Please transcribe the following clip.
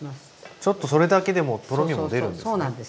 ちょっとそれだけでもとろみも出るんですね。